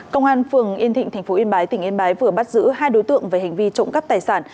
công an phường yên thịnh tp yên bái tỉnh yên bái vừa bắt giữ hai đối tượng về hành vi trộm cắp tài sản